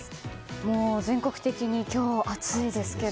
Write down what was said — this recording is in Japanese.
もう全国的に今日は暑いですけど。